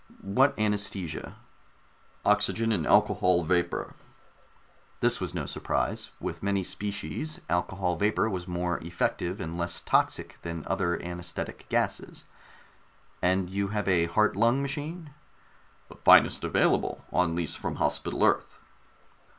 "What anaesthesia?" "Oxygen and alcohol vapor." This was no surprise. With many species, alcohol vapor was more effective and less toxic than other anaesthetic gases. "And you have a heart lung machine?" "The finest available, on lease from Hospital Earth."